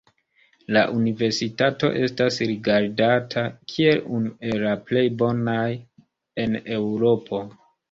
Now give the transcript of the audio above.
La universitato estas rigardata kiel unu el la plej bonaj en Eŭropo.